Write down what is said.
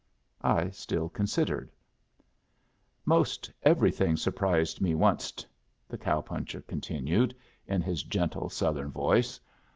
I still considered. "Most everything surprised me onced," the cow puncher continued, in his gentle Southern voice.